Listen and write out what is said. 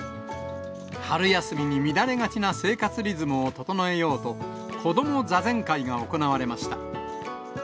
春休みに乱れがちな生活リズムを整えようと、子ども座禅会が行われました。